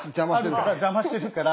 邪魔してるから。